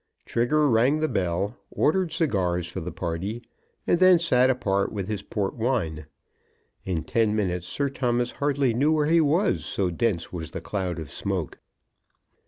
Trigger rang the bell, ordered cigars for the party, and then sat apart with his port wine. In ten minutes Sir Thomas hardly knew where he was, so dense was the cloud of smoke.